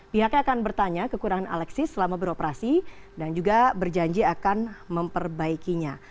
pihaknya akan bertanya kekurangan alexis selama beroperasi dan juga berjanji akan memperbaikinya